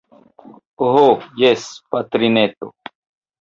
Ho jes, patrineto.